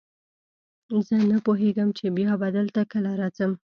زه نه پوهېږم چې بیا به دلته کله راځم.